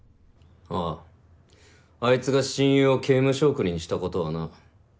ああアイツが親友を刑務所送りにしたことはな。